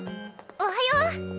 おはよう。